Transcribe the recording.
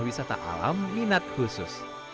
wisata alam minat khusus